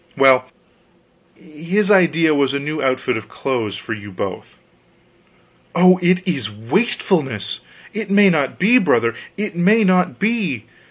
Well, his idea was, a new outfit of clothes for you both " "Oh, it is wastefulness! It may not be, brother, it may not be.